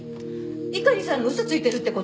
猪狩さんが嘘ついてるって事？